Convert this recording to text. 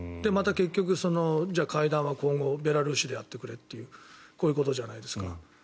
また結局、会談は今後、ベラルーシでやってくれというこういうことじゃないですか。